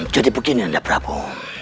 jadi begini nanda prabu